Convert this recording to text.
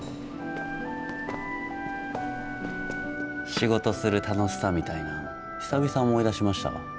仕事する楽しさみたいなん久々思い出しましたわ。